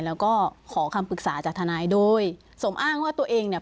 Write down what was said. แล้วก็ขอคำปรึกษาจากทนายโดยสมอ้างว่าตัวเองเนี่ย